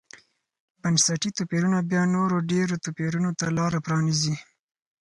بنسټي توپیرونه بیا نورو ډېرو توپیرونو ته لار پرانېزي.